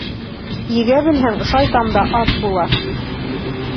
Егә белһәң, шайтан да ат була